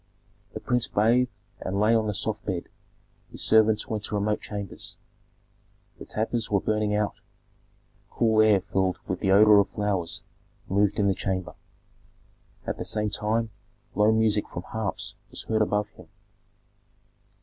The prince bathed and lay on the soft bed; his servants went to remote chambers. The tapers were burning out; cool air filled with the odor of flowers moved in the chamber. At the same time low music from harps was heard above him.